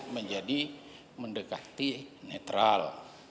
menjadi mendekati netral